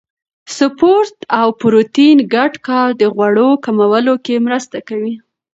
سپورت او پروتین ګډ کار د غوړو کمولو کې مرسته کوي.